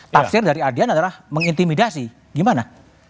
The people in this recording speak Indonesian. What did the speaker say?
tafsir dari adian adalah mengintimidasi gimana